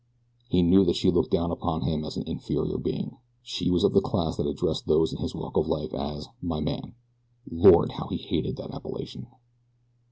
He knew that she looked down upon him as an inferior being. She was of the class that addressed those in his walk of life as "my man." Lord, how he hated that appellation!